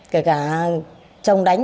kể cả chồng đánh